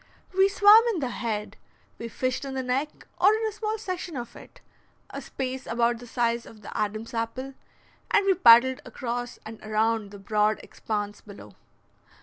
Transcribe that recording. We swam in the head, we fished in the neck, or in a small section of it, a space about the size of the Adam's apple, and we paddled across and around the broad expanse below.